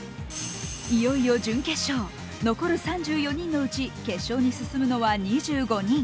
いよいよ準決勝、残る３４人のうち決勝に進むのは２５人。